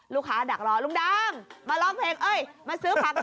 ลูกค้ารักรอลุงดำมาร้องเพลงเอ้ยมาซื้อผักน้อย